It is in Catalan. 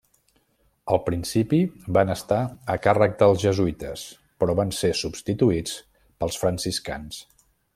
Al principi, van estar a càrrec dels jesuïtes, però van ser substituïts pels franciscans.